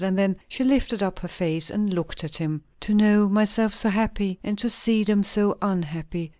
And then she lifted up her face and looked at him. "To know myself so happy, and to see them so unhappy.